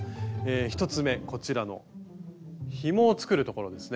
１つ目こちらの「ひもを作る」ところですね。